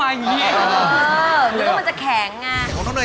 หมายเลข๑๓๖เลือกไม่ได้แล้ว๒๙หมายเลขเด้ย